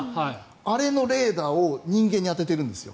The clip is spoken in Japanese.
あれのレーダーを人間に当ててるんですよ。